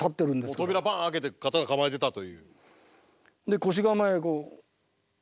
もう扉バン開けて刀構えてたという。